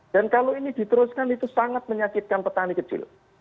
dan kalau ini diteruskan itu sangat menyakitkan petani kecil